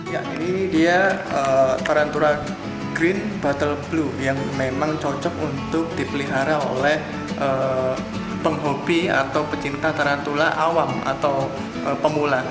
ya ini dia tarantula green buttle blue yang memang cocok untuk dipelihara oleh penghobi atau pecinta tarantula awam atau pemula